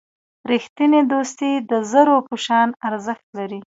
رښتینی دوستي د زرو په شان ارزښت لري.